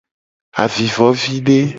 Avivovide.